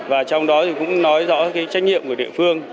và trong đó thì cũng nói rõ cái trách nhiệm của địa phương